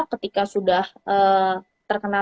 ketika sudah terkena